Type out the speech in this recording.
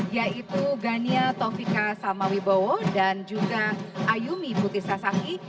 yaitu gania taufika samawibowo dan juga ayumi putih sasaki